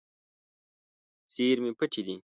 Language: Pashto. زیرمې پټې دي.